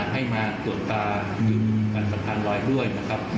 ให้มาตรวจตาลืมกันสะพานลอยด้วยนะครับ